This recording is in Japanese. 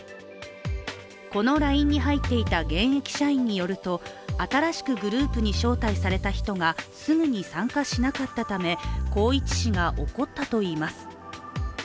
このＬＩＮＥに入っていた現役社員によると新しくグループに招待された人がすぐに参加しなかったため宏一氏が怒ったといいます。